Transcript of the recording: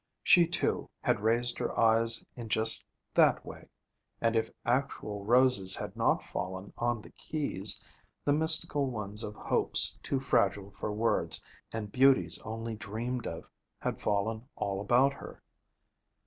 She, too, had raised her eyes in just that way; and if actual roses had not fallen on the keys, the mystical ones of hopes too fragile for words, and beauties only dreamed of, had fallen all about her.